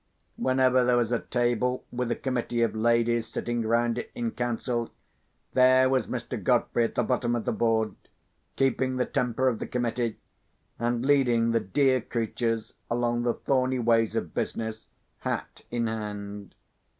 Wherever there was a table with a committee of ladies sitting round it in council there was Mr. Godfrey at the bottom of the board, keeping the temper of the committee, and leading the dear creatures along the thorny ways of business, hat in hand.